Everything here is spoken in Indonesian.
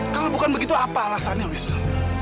kalau bukan begitu apa alasannya wisnu